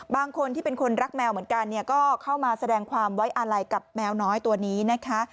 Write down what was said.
บางคนที่เป็นคนรักแมวเหมือนกันเนี่ยก็เข้ามาแสดงความไว้อาลัยกับแมวน้อยตัวนี้นะคะ